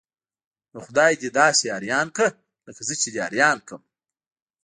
نو خولي ده داسې اریان کړه لکه زه چې اریان کړم.